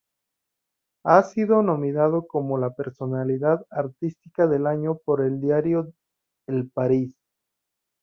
Ha sido nominado como la personalidad artística del año por el diario El País.